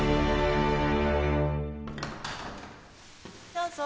どうぞ。